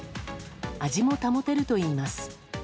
味も保てるといいます。